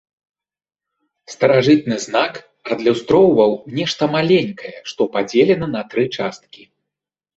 Старажытны знак адлюстроўваў нешта маленькае, што падзелена на тры часткі.